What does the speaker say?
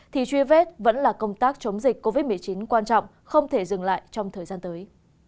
thì truy vết vẫn là công tác chống dịch covid một mươi chín quan trọng không thể dừng lại trong thời gian tới